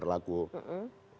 saluran konstitusional yang ada